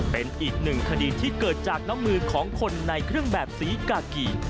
เป็นอีกหนึ่งคดีที่เกิดจากน้ำมือของคนในเครื่องแบบสีกากี